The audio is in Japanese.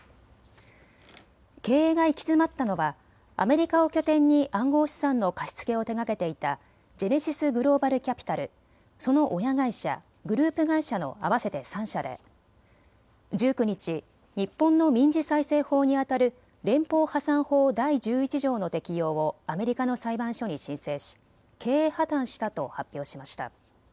経営が行き詰まったのはアメリカを拠点に暗号資産の貸し付けを手がけていたジェネシス・グローバル・キャピタル、その親会社、グループ会社の合わせて３社で１９日、日本の民事再生法にあたる連邦破産法第１１条の適用をアメリカの裁判所に申請し経営破綻したと発表しました。